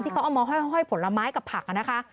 ที่เขาเอามาไห้ผลไม้กับผักกันนะคะ